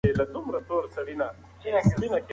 ایا د ونې لاندې سیوری به تر ماښامه دوام وکړي؟